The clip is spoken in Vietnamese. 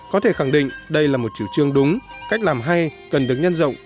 có thể khẳng định đây là một chủ trương đúng cách làm hay cần được nhân rộng